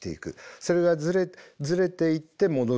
それがズレていって戻る。